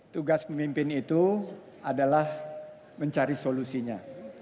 tugas pemimpin itu adalah mencari solusinya